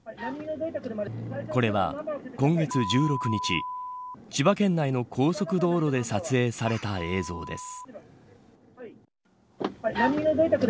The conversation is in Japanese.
これは今月１６日千葉県内の高速道路で撮影された映像です。